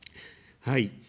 はい。